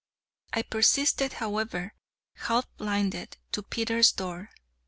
I persisted, however, half blinded, to Peters door.